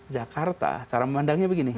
jakarta cara memandangnya begini